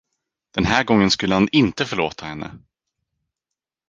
Den här gången skulle han inte förlåta henne!